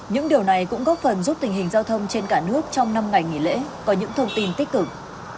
những điều này cũng góp phần giúp tình hình giao thông trên cả nước trong năm ngày nghỉ lễ có những thông tin tích cực